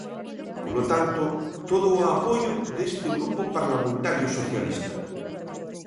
Polo tanto, todo o apoio deste Grupo Parlamentario Socialista.